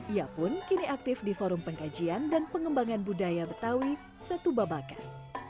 ia pun kini aktif di forum pengkajian dan pengembangan budaya betawi setubabakan